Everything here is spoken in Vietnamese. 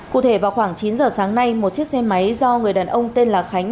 cụ thể vào khoảng chín giờ sáng nay một chiếc xe máy do người đàn ông tên là khánh